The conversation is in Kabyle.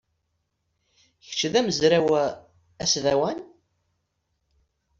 Kečč d amezraw asdawan?